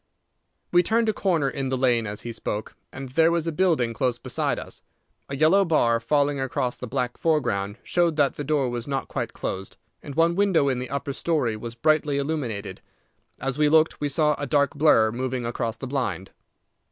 We turned a corner in the lane as he spoke, and there was the building close beside us. A yellow bar falling across the black foreground showed that the door was not quite closed, and one window in the upper story was brightly illuminated. As we looked, we saw a dark blur moving across the blind.